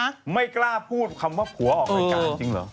ไม่กล้าพูดคำว่าผัวออกรายการจริงเหรอ